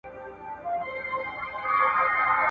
د بېلتون سندري وایم د جانان کیسه کومه